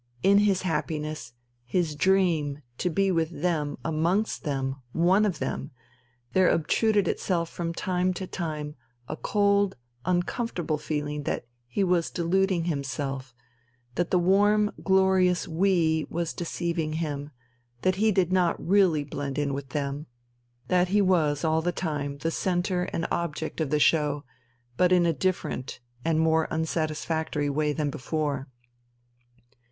In his happiness, his dream, to be with them, amongst them, one of them, there obtruded itself from time to time a cold, uncomfortable feeling that he was deluding himself, that the warm, glorious "We" was deceiving him, that he did not really blend in with them, that he was all the time the centre and object of the show, but in a different and more unsatisfactory way than before.